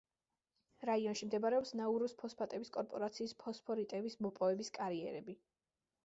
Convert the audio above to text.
რაიონში მდებარეობს ნაურუს ფოსფატების კორპორაციის ფოსფორიტების მოპოვების კარიერები.